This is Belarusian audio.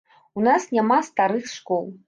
У нас няма старых школ.